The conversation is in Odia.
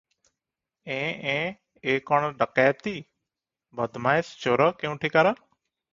ଏଁ -ଏଁ -ଏ କଣ ଡକାଏତି! ବଦମାଏସ୍ ଚୋର କେଉଁଠିକାର ।